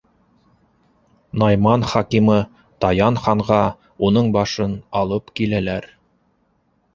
Найман хакимы Таян ханға уның башын алып киләләр.